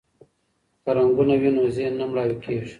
که رنګونه وي نو ذهن نه مړاوی کیږي.